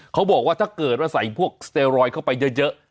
เขาบอกว่าถ้าเกิดว่าใส่พวกสเตรอยด์เข้าไปเยอะ